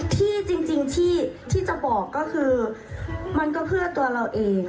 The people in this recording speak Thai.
ที่จริงที่จะบอกก็คือมันก็เพื่อตัวเราเอง